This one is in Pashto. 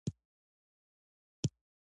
هغه اوبه څښي